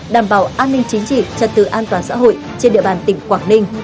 đảm bảo an ninh chính trị trật tự an toàn xã hội trên địa bàn tỉnh quảng ninh